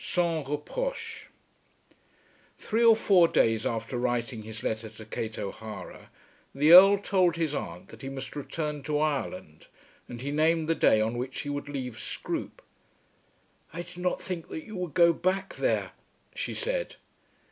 SANS REPROCHE. Three or four days after writing his letter to Kate O'Hara, the Earl told his aunt that he must return to Ireland, and he named the day on which he would leave Scroope. "I did not think that you would go back there," she said.